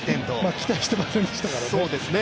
期待してませんでしたからね。